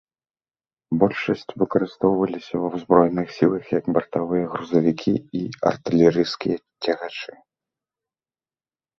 Большасць выкарыстоўваліся ва ўзброеных сілах як бартавыя грузавікі і артылерыйскія цягачы.